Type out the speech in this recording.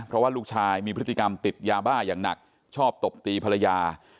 เพราะว่าลูกชายมีพฤติกรรมติดยาบ้าอย่างหนักชอบตบตีภรรยา